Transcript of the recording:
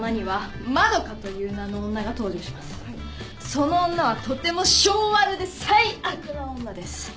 その女はとても性悪で最悪な女です。